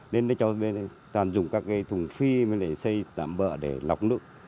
nên nó cho bên này toàn dùng các cái thùng phi bên này xây tạm bỡ để lọc nước